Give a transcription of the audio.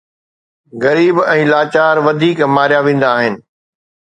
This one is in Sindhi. غريب ۽ لاچار وڌيڪ ماريا ويندا آهن.